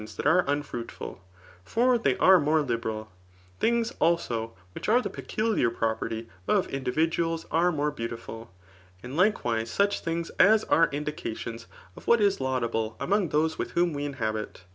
This is likewise the case wiili pos sessiods that are unfruitful ; for ihey are mone fibecd* Things, also, which are the peculiar property of indi viduals are more beautiful ; and likewise such things as are indications of what is laudable among those with whom we inhabit.